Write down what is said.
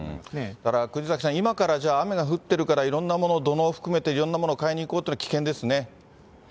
だから国崎さん、今からじゃあ、雨が降ってるから、いろんなもの、土のうを含めて、いろんなものを買いに行こうというのは危危険ですね。